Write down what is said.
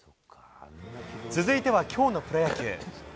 続いてはきょうのプロ野球。